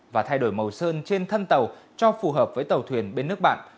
và thay đổi màu sơn trên thân tàu cho phù hợp với tàu thuyền bên nước bạn